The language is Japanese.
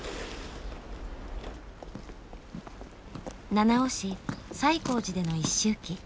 七尾市西光寺での一周忌。